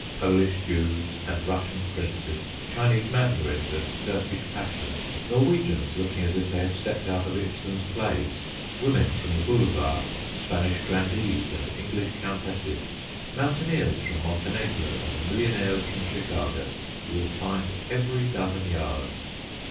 Polish Jews and Russian princes, Chinese mandarins and Turkish pashas, Norwegians looking as if they had stepped out of Ibsen's plays, women from the Boulevards, Spanish grandees and English countesses, mountaineers from Montenegro and millionaires from Chicago, you will find every dozen yards.